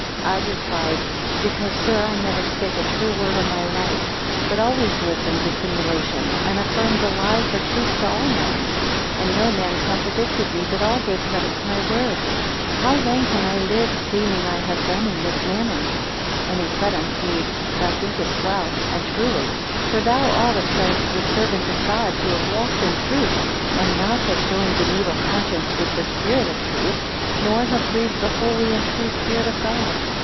I replied, Because, sir, I never spake a true word in my life; but always lived in dissimulation, and affirmed a lie for truth to all men; and no man contradicted me, but all gave credit to my words. How then can I live, seeing I have done in this manner? 7 And he said unto me, Thou thinkest well and truly; for thou oughtest, as the servant of God, to have walked in the truth, and not have joined an evil conscience with the spirit of truth, nor have grieved the holy and true Spirit of God.